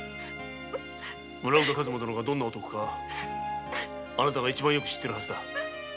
村岡和馬殿がどんな男かあなたが一番よく知っているはずだ。